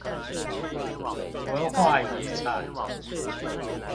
文化遺產